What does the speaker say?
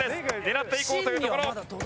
狙っていこうというところ。